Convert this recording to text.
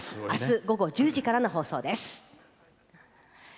あす午後１０時からの放送です。